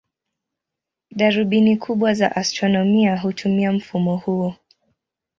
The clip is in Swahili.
Darubini kubwa za astronomia hutumia mfumo huo.